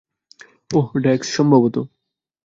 ওহ, ডেক্স, সম্ভবত।